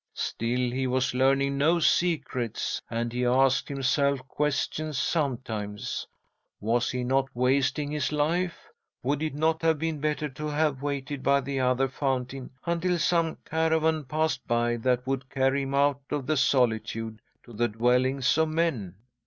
"'Still he was learning no secrets, and he asked himself questions sometimes. Was he not wasting his life? Would it not have been better to have waited by the other fountain until some caravan passed by that would carry him out of the solitude to the dwellings of men?